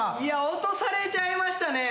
落とされちゃいましたね。